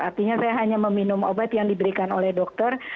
artinya saya hanya meminum obat yang diberikan oleh dokter